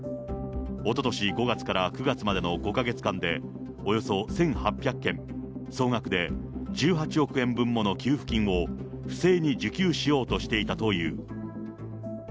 おととし５月から９月までの５か月間で、およそ１８００件、総額で１８億円分もの給付金を不正に受給しようとしていたという。